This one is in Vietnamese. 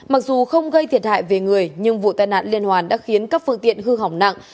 mặc dù không gây thiệt hại về người nhưng vụ tai nạn liên hoàn đã khiến các phương tiện hư hỏng nặng